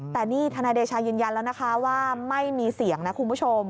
แต่นี่ทนายเดชายืนยันแล้วนะคะว่าไม่มีเสียงนะคุณผู้ชม